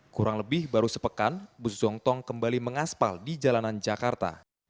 kurang lebih baru sepekan bus zongtong kembali mengaspal di jalanan jakarta